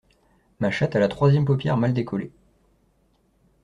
Ma chatte a la troisième paupière mal décollé.